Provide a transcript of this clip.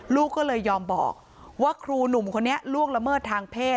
ลูกก็เลยยอมบอกว่าครูหนุ่มคนนี้ล่วงละเมิดทางเพศ